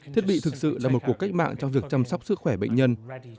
thiết bị thực sự là một cuộc cách mạng trong việc chăm sóc sức khỏe bệnh nhân